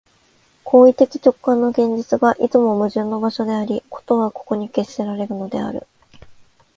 行為的直観の現実が、いつも矛盾の場所であり、事はここに決せられるのである。